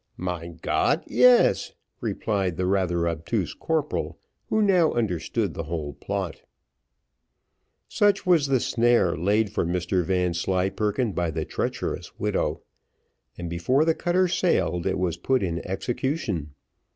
"Mein Gott! yes," replied the rather obtuse corporal, who now understood the whole plot. Such was the snare laid for Mr Vanslyperken by the treacherous widow, and before the cutter sailed, it was put in execution.